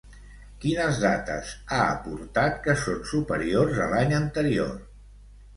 Quines dades ha aportat que són superiors a l'any anterior?